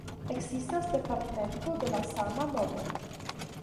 Ekzistas departemento de la sama nomo.